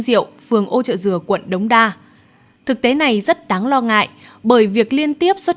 rượu phường ô trợ dừa quận đống đa thực tế này rất đáng lo ngại bởi việc liên tiếp xuất